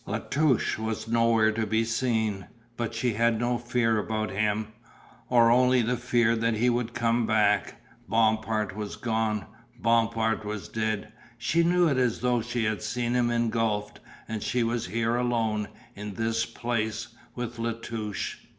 La Touche was nowhere to be seen, but she had no fear about him, or only the fear that he would come back. Bompard was gone. Bompard was dead, she knew it as though she had seen him engulfed, and she was here alone, in this place, with La Touche.